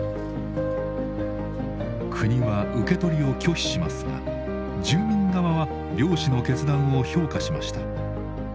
国は受け取りを拒否しますが住民側は漁師の決断を評価しました。